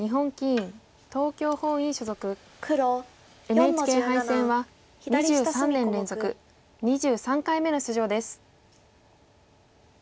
ＮＨＫ杯戦は２３年連続２３回目の出場です。